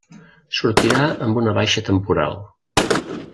Sortirà amb una baixa temporal.